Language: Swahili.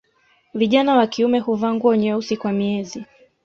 Vijana wa kiume huvaa nguo nyeusi kwa miezi